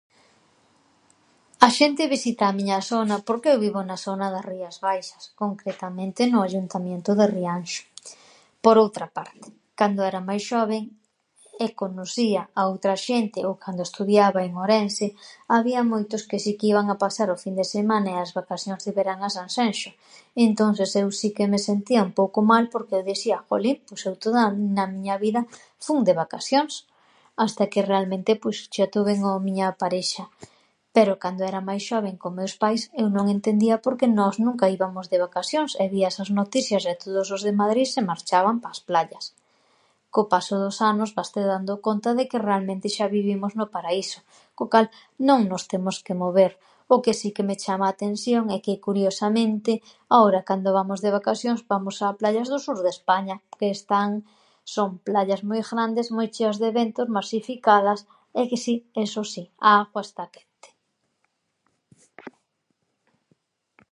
"A xente visita a miña sona porque eu vivo na sona das rías baixas, concretamente no ayuntamiento de Rianxo. Por outra parte, cando era máis xoven e conosía a outra xente ou cando estudiaba en Orense había moitos que si que iban pasar o fin de semana e as vacasións de verán a Sanxenxo. Entonses eu si que me sentía un pouco mal porque eu disía: ""jolin, pois eu toda na miña vida fun de vacasións"". Hasta que, realmente, pois xa tuven a miña parexa, pero cando era máis xoven, con meus pais, eu non entendía por que nós nunca íbamos de vacasións e vías as noticias e todos os de Madrid se marchaban pa as playas. Co paso dos anos vaste dando conta de que realmente xa vivimos no paraíso co cal non nos temos que mover. O que si que me chama a atensión é que, curiosamente, ahora cando vamos de vacasións vamos a playas do sur de España que están, son playas moi ghrandes, moi cheas de vento, masificadas e que si, eso si, a aghua está quente."